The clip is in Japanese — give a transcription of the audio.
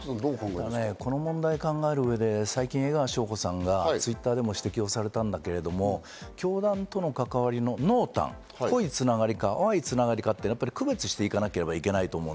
この問題を考える上で最近、江川紹子さんがＴｗｉｔｔｅｒでも指摘されたんだけど、教団との関わりの濃淡、濃いつながりか淡いつながりか、区別していかなければいけない。